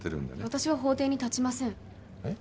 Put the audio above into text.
私は法廷に立ちませんえっ！？